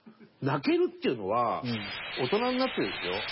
泣けるっていうのは大人になってですよ